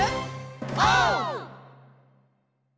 オー！